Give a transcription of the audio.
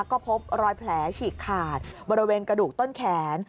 ก็พบรอยแผลฉีกขาดบริเวณกระดูกต้นแขน